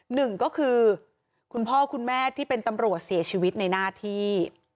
หนึ่งก็คือคุณพ่อคุณแม่ที่เป็นตำรวจเสียชีวิตในหน้าที่